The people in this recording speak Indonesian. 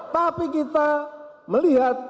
tapi kita melihat